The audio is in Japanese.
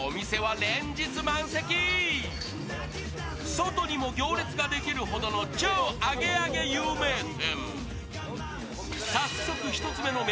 外にも行列ができるほどの超アゲアゲ有名店。